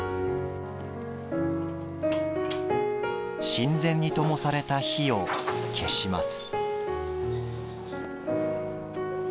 神前にともされた火を消します。